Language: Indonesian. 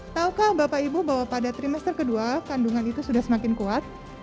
tahukah bapak ibu bahwa pada trimester kedua kandungan itu sudah semakin kuat